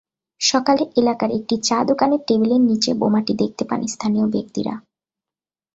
সকালে এলাকার একটি চা-দোকানের টেবিলের নিচে বোমাটি দেখতে পান স্থানীয় ব্যক্তিরা।